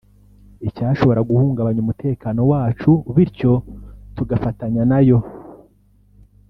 icyashobora guhungabanya umutekano wacu bityo tugafatanya nayo”